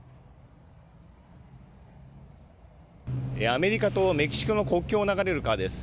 アメリカとメキシコの国境を流れる川です。